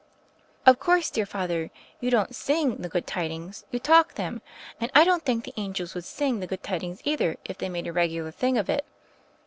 "Of course, dear Father, you don't sing the good tidings; you talk them, and I don't think the angels would sing the good tidings either, if they made a regular thing of it.